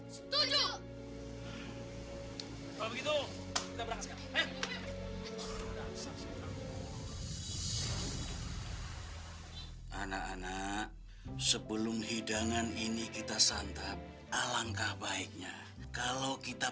hai anak anak sebelum hidangan ini kita santap alangkah baiknya kalau kita